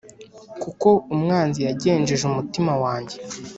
Kuko umwanzi yagenjeje umutima wanjye